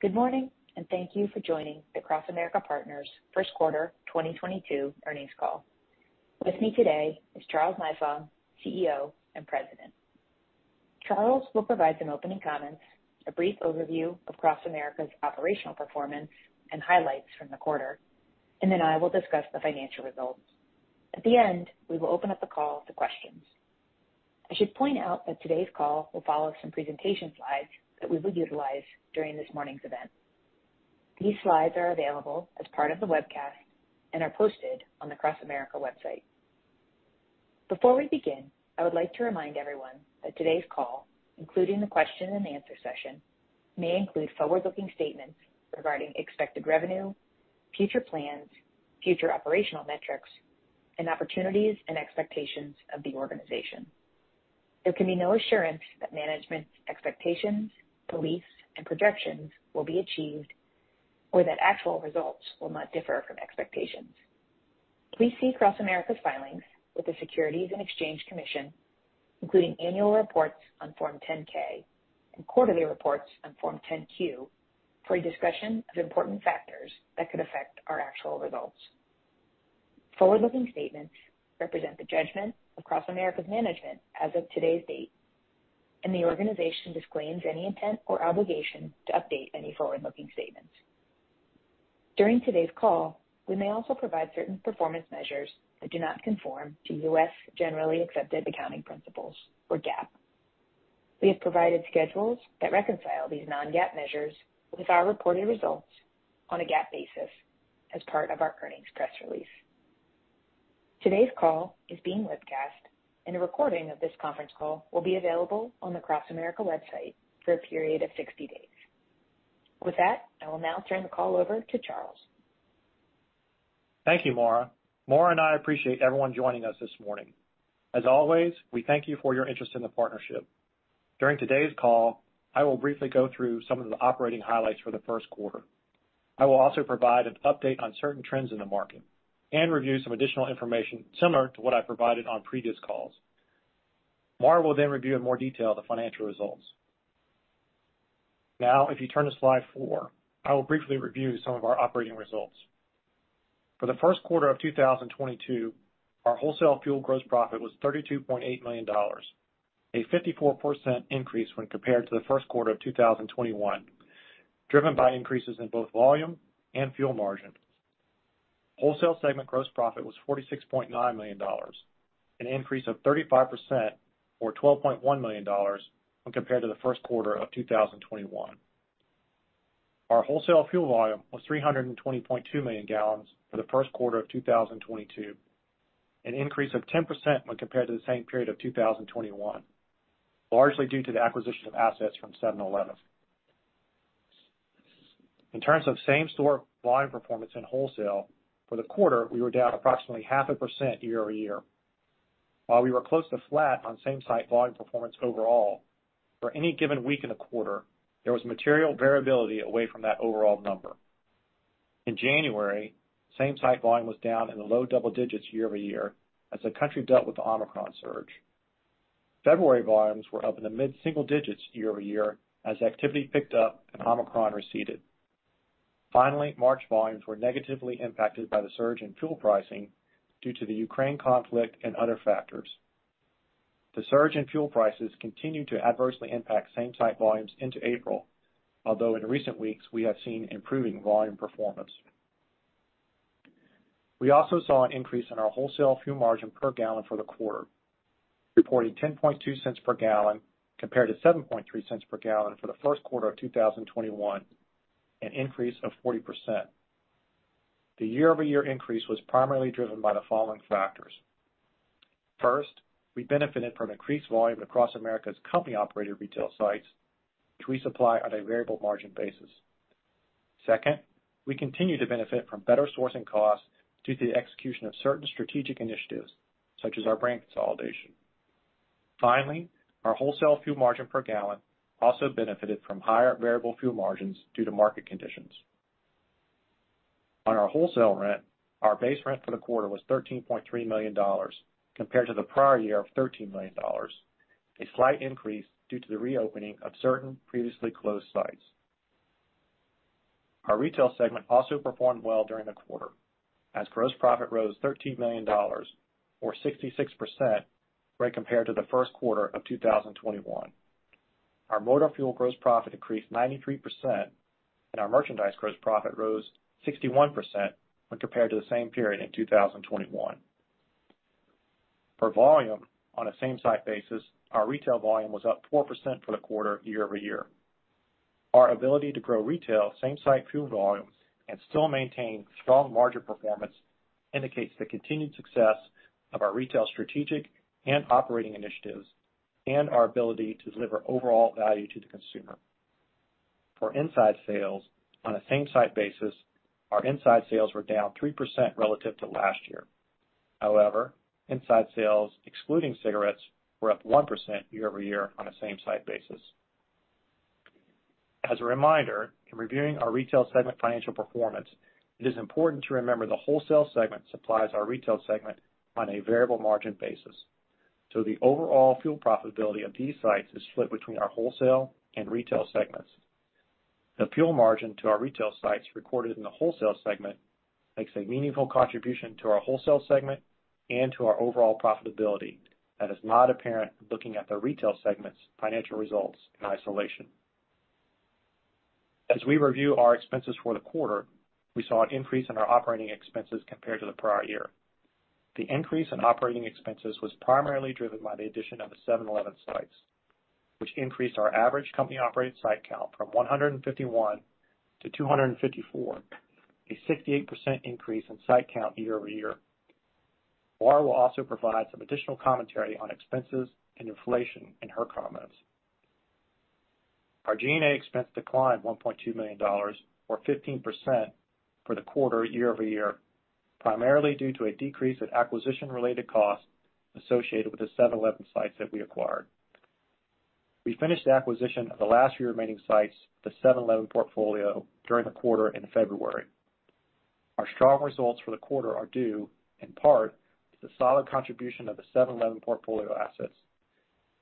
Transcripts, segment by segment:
Good morning, and thank you for joining the CrossAmerica Partners first quarter 2022 earnings call. With me today is Charles Nifong, CEO and President. Charles will provide some opening comments, a brief overview of CrossAmerica's operational performance and highlights from the quarter, and then I will discuss the financial results. At the end, we will open up the call to questions. I should point out that today's call will follow some presentation slides that we will utilize during this morning's event. These slides are available as part of the webcast and are posted on the CrossAmerica website. Before we begin, I would like to remind everyone that today's call, including the question and answer session, may include forward-looking statements regarding expected revenue, future plans, future operational metrics, and opportunities and expectations of the organization. There can be no assurance that management's expectations, beliefs, and projections will be achieved or that actual results will not differ from expectations. Please see CrossAmerica's filings with the Securities and Exchange Commission, including annual reports on Form 10-K and quarterly reports on Form 10-Q, for a discussion of important factors that could affect our actual results. Forward-looking statements represent the judgment of CrossAmerica's management as of today's date, and the organization disclaims any intent or obligation to update any forward-looking statements. During today's call, we may also provide certain performance measures that do not conform to U.S. generally accepted accounting principles, or GAAP. We have provided schedules that reconcile these non-GAAP measures with our reported results on a GAAP basis as part of our earnings press release. Today's call is being webcast, and a recording of this conference call will be available on the CrossAmerica Partners website for a period of 60 days. With that, I will now turn the call over to Charles. Thank you, Maura. Maura and I appreciate everyone joining us this morning. As always, we thank you for your interest in the partnership. During today's call, I will briefly go through some of the operating highlights for the first quarter. I will also provide an update on certain trends in the market and review some additional information similar to what I provided on previous calls. Maura will then review in more detail the financial results. Now, if you turn to slide four, I will briefly review some of our operating results. For the first quarter of 2022, our wholesale fuel gross profit was $32.8 million, a 54% increase when compared to the first quarter of 2021, driven by increases in both volume and fuel margin. Wholesale segment gross profit was $46.9 million, an increase of 35% or $12.1 million when compared to the first quarter of 2021. Our wholesale fuel volume was 320.2 million gallons for the first quarter of 2022, an increase of 10% when compared to the same period of 2021, largely due to the acquisition of assets from 7-Eleven. In terms of same-store volume performance in wholesale, for the quarter, we were down approximately 0.5% YoY. While we were close to flat on same-site volume performance overall, for any given week in the quarter, there was material variability away from that overall number. In January, same-site volume was down in the low double digits YoY as the country dealt with the Omicron surge. February volumes were up in the mid-single digits YoY as activity picked up and Omicron receded. Finally, March volumes were negatively impacted by the surge in fuel pricing due to the Ukraine conflict and other factors. The surge in fuel prices continued to adversely impact same-site volumes into April, although in recent weeks, we have seen improving volume performance. We also saw an increase in our wholesale fuel margin per gallon for the quarter, reporting $0.102 per gallon compared to $0.073 per gallon for the first quarter of 2021, an increase of 40%. The YoY increase was primarily driven by the following factors. First, we benefited from increased volume across CrossAmerica's company-operated retail sites, which we supply on a variable margin basis. Second, we continue to benefit from better sourcing costs due to the execution of certain strategic initiatives, such as our brand consolidation. Finally, our wholesale fuel margin per gallon also benefited from higher variable fuel margins due to market conditions. On our wholesale rent, our base rent for the quarter was $13.3 million compared to the prior year of $13 million, a slight increase due to the reopening of certain previously closed sites. Our retail segment also performed well during the quarter as gross profit rose $13 million or 66% when compared to the first quarter of 2021. Our motor fuel gross profit increased 93%, and our merchandise gross profit rose 61% when compared to the same period in 2021. Per volume on a same-site basis, our retail volume was up 4% for the quarter YoY. Our ability to grow retail same-site fuel volume and still maintain strong margin performance indicates the continued success of our retail strategic and operating initiatives and our ability to deliver overall value to the consumer. For inside sales on a same-site basis, our inside sales were down 3% relative to last year. However, inside sales, excluding cigarettes, were up 1% YoY on a same-site basis. As a reminder, in reviewing our retail segment financial performance, it is important to remember the wholesale segment supplies our retail segment on a variable margin basis. The overall fuel profitability of these sites is split between our wholesale and retail segments. The fuel margin to our retail sites recorded in the wholesale segment makes a meaningful contribution to our wholesale segment and to our overall profitability that is not apparent looking at the retail segment's financial results in isolation. As we review our expenses for the quarter, we saw an increase in our operating expenses compared to the prior year. The increase in operating expenses was primarily driven by the addition of the 7-Eleven sites, which increased our average company-operated site count from 151 to 254, a 68% increase in site count YoY. Maura will also provide some additional commentary on expenses and inflation in her comments. Our G&A expense declined $1.2 million, or 15%, for the quarter YoY, primarily due to a decrease in acquisition-related costs associated with the 7-Eleven sites that we acquired. We finished the acquisition of the last three remaining sites, the 7-Eleven portfolio, during the quarter in February. Our strong results for the quarter are due in part to the solid contribution of the 7-Eleven portfolio assets.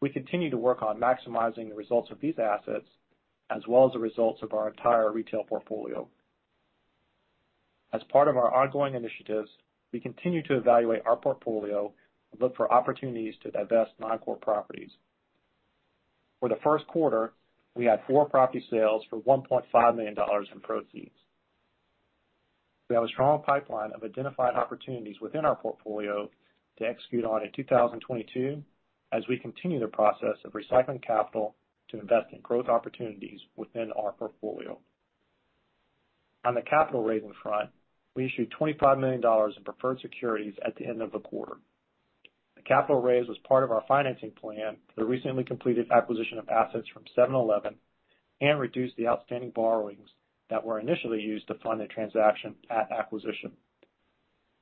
We continue to work on maximizing the results of these assets, as well as the results of our entire retail portfolio. As part of our ongoing initiatives, we continue to evaluate our portfolio and look for opportunities to divest non-core properties. For the first quarter, we had four property sales for $1.5 million in proceeds. We have a strong pipeline of identified opportunities within our portfolio to execute on in 2022 as we continue the process of recycling capital to invest in growth opportunities within our portfolio. On the capital raising front, we issued $25 million in preferred securities at the end of the quarter. The capital raise was part of our financing plan for the recently completed acquisition of assets from 7-Eleven and reduced the outstanding borrowings that were initially used to fund the transaction at acquisition.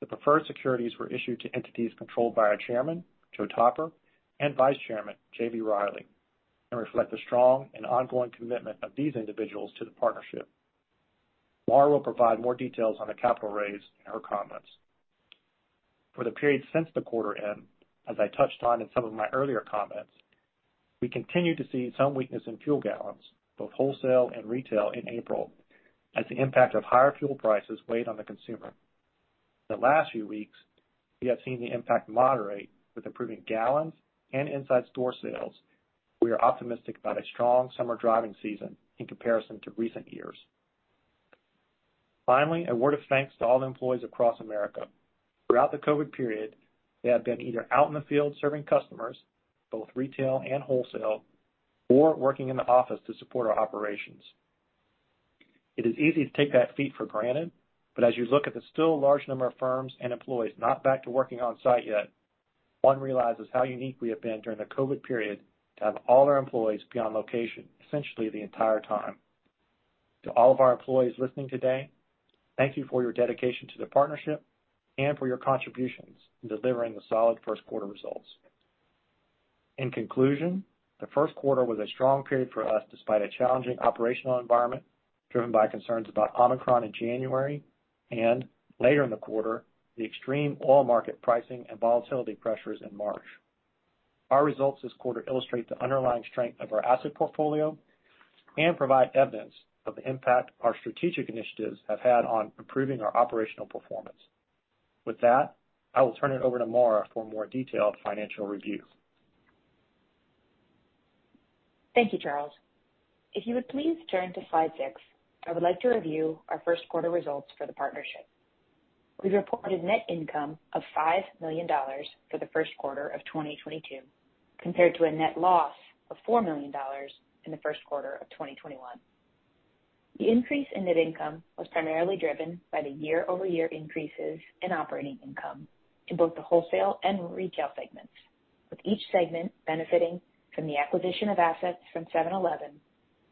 The preferred securities were issued to entities controlled by our Chairman, Joe Topper, and Vice Chairman, J.B. Reilly, and reflect the strong and ongoing commitment of these individuals to the partnership. Maura will provide more details on the capital raise in her comments. For the period since the quarter end, as I touched on in some of my earlier comments, we continue to see some weakness in fuel gallons, both wholesale and retail, in April as the impact of higher fuel prices weighed on the consumer. The last few weeks, we have seen the impact moderate with improving gallons and inside store sales. We are optimistic about a strong summer driving season in comparison to recent years. Finally, a word of thanks to all the employees across America. Throughout the COVID period, they have been either out in the field serving customers, both retail and wholesale, or working in the office to support our operations. It is easy to take that feat for granted, but as you look at the still large number of firms and employees not back to working on site yet, one realizes how unique we have been during the COVID period to have all our employees be on location essentially the entire time. To all of our employees listening today, thank you for your dedication to the partnership and for your contributions in delivering the solid first quarter results. In conclusion, the first quarter was a strong period for us despite a challenging operational environment driven by concerns about Omicron in January and later in the quarter, the extreme oil market pricing and volatility pressures in March. Our results this quarter illustrate the underlying strength of our asset portfolio and provide evidence of the impact our strategic initiatives have had on improving our operational performance. With that, I will turn it over to Maura for a more detailed financial review. Thank you, Charles. If you would please turn to slide six, I would like to review our first quarter results for the partnership. We've reported net income of $5 million for the first quarter of 2022, compared to a net loss of $4 million in the first quarter of 2021. The increase in net income was primarily driven by the YoY increases in operating income in both the wholesale and retail segments, with each segment benefiting from the acquisition of assets from 7-Eleven,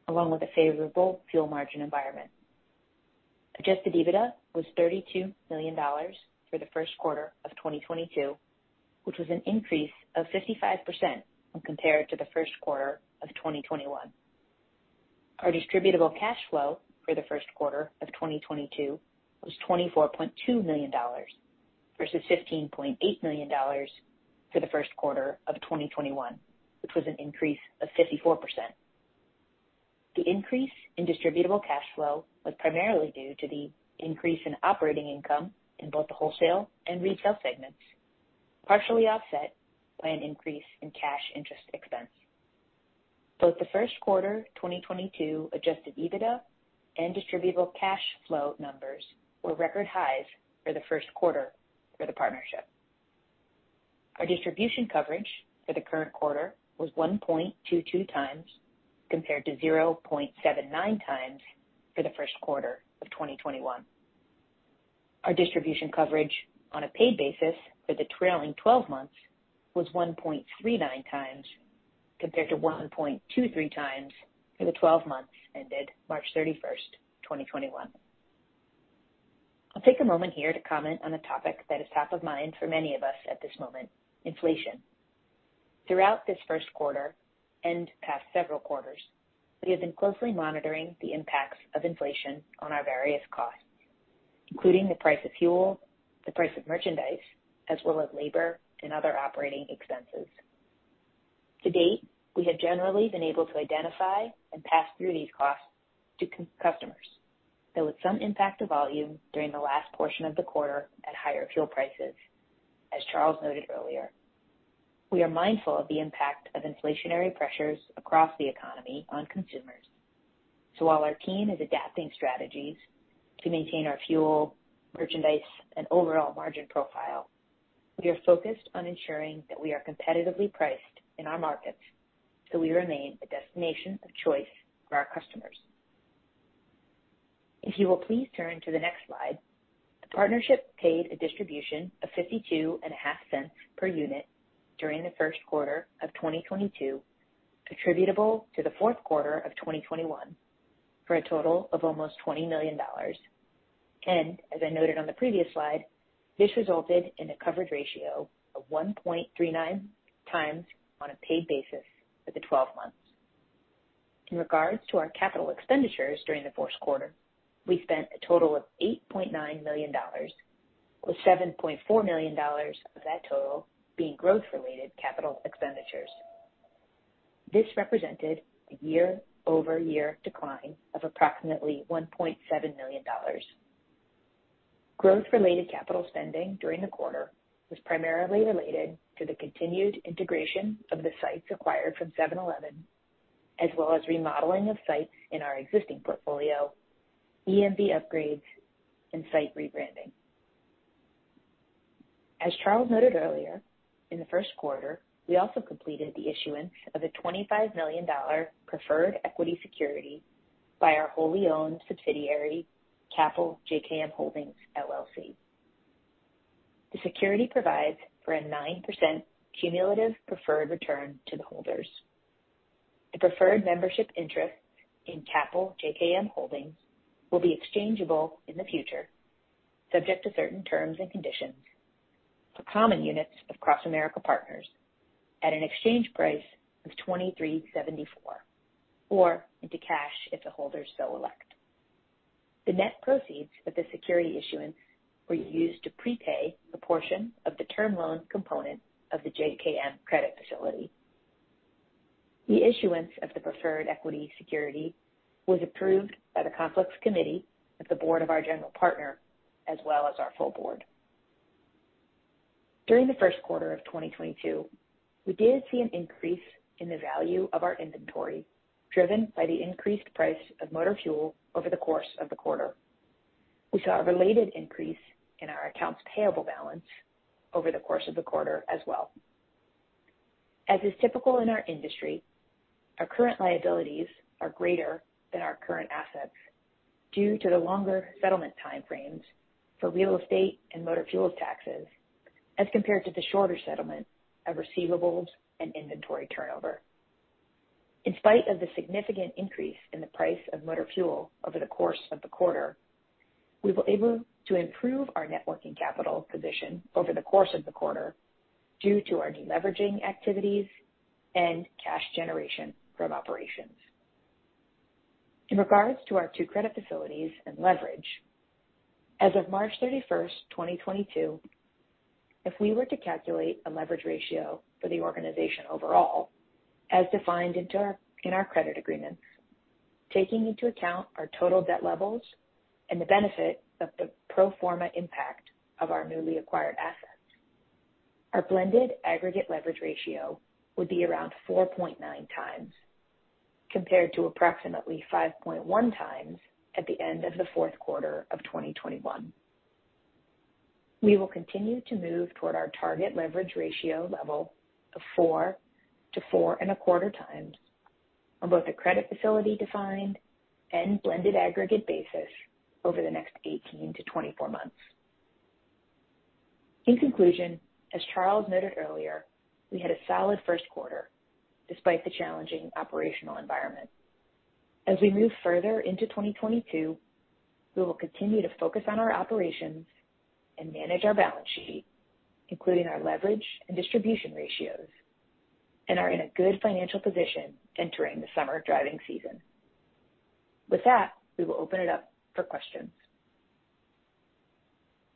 along with a favorable fuel margin environment. Adjusted EBITDA was $32 million for the first quarter of 2022, which was an increase of 55% when compared to the first quarter of 2021. Our distributable cash flow for the first quarter of 2022 was $24.2 million versus $15.8 million for the first quarter of 2021, which was an increase of 54%. The increase in distributable cash flow was primarily due to the increase in operating income in both the wholesale and retail segments, partially offset by an increase in cash interest expense. Both the first quarter 2022 adjusted EBITDA and distributable cash flow numbers were record highs for the first quarter for the partnership. Our distribution coverage for the current quarter was 1.22x, compared to 0.79x for the first quarter of 2021. Our distribution coverage on a paid basis for the trailing 12 months was 1.39x, compared to 1.23x for the 12 months ended March 31st, 2021. I'll take a moment here to comment on a topic that is top of mind for many of us at this moment, inflation. Throughout this first quarter and past several quarters, we have been closely monitoring the impacts of inflation on our various costs. Including the price of fuel, the price of merchandise, as well as labor and other operating expenses. To date, we have generally been able to identify and pass through these costs to customers, though with some impact to volume during the last portion of the quarter at higher fuel prices, as Charles noted earlier. We are mindful of the impact of inflationary pressures across the economy on consumers. While our team is adapting strategies to maintain our fuel, merchandise, and overall margin profile, we are focused on ensuring that we are competitively priced in our markets, so we remain a destination of choice for our customers. If you will please turn to the next slide. The partnership paid a distribution of $0.525 per unit during the first quarter of 2022, attributable to the fourth quarter of 2021, for a total of almost $20 million. As I noted on the previous slide, this resulted in a coverage ratio of 1.39x on a paid basis for the 12 months. In regards to our capital expenditures during the fourth quarter, we spent a total of $8.9 million, with $7.4 million of that total being growth-related capital expenditures. This represented a YoY decline of approximately $1.7 million. Growth-related capital spending during the quarter was primarily related to the continued integration of the sites acquired from 7-Eleven, as well as remodeling of sites in our existing portfolio, EMV upgrades, and site rebranding. As Charles noted earlier, in the first quarter, we also completed the issuance of a $25 million preferred equity security by our wholly owned subsidiary, CAPL JKM Holdings LLC. The security provides for a 9% cumulative preferred return to the holders. The preferred membership interest in CAPL JKM Holdings LLC will be exchangeable in the future, subject to certain terms and conditions, for common units of CrossAmerica Partners at an exchange price of 23.74, or into cash if the holders so elect. The net proceeds of the security issuance were used to prepay a portion of the term loan component of the JKM Credit Facility. The issuance of the preferred equity security was approved by the Conflicts Committee of the board of our general partner, as well as our full board. During the first quarter of 2022, we did see an increase in the value of our inventory, driven by the increased price of motor fuel over the course of the quarter. We saw a related increase in our accounts payable balance over the course of the quarter as well. As is typical in our industry, our current liabilities are greater than our current assets due to the longer settlement time frames for real estate and motor fuel taxes, as compared to the shorter settlement of receivables and inventory turnover. In spite of the significant increase in the price of motor fuel over the course of the quarter, we were able to improve our net working capital position over the course of the quarter due to our deleveraging activities and cash generation from operations. In regards to our two credit facilities and leverage, as of March 31st, 2022, if we were to calculate a leverage ratio for the organization overall, as defined in our credit agreements, taking into account our total debt levels and the benefit of the pro forma impact of our newly acquired assets, our blended aggregate leverage ratio would be around 4.9x, compared to approximately 5.1x at the end of the fourth quarter of 2021. We will continue to move toward our target leverage ratio level of 4-4.25x on both the credit facility defined and blended aggregate basis over the next 18-24 months. In conclusion, as Charles noted earlier, we had a solid first quarter despite the challenging operational environment. As we move further into 2022, we will continue to focus on our operations and manage our balance sheet, including our leverage and distribution ratios, and are in a good financial position entering the summer driving season. With that, we will open it up for questions.